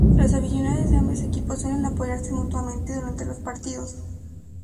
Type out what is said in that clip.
Los aficionados de ambos equipos suelen apoyarse mutuamente durante los partidos.